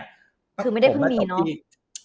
คือไม่ได้เพิ่งมีเนาะ